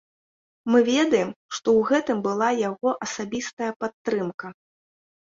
Мы ведаем, што ў гэтым была яго асабістая падтрымка.